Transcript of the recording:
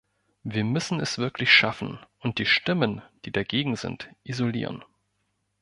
Wir müssen es wirklich schaffen und die Stimmen, die dagegen sind, isolieren!